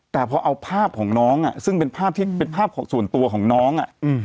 แต่พอเอาภาพของน้องซึ่งเป็นภาพส่วนตัวของน้อง